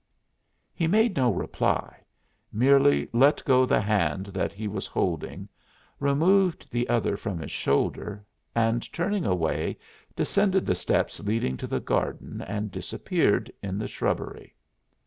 He made no reply merely let go the hand that he was holding, removed the other from his shoulder, and turning away descended the steps leading to the garden and disappeared in the shrubbery.